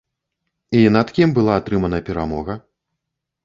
І над кім была атрымана перамога?